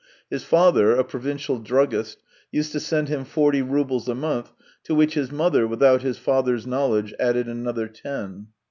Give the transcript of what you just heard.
His father, a provincial druggist, used to send him forty roubles a month, to which his mother, without his father's knowledge, added another ten.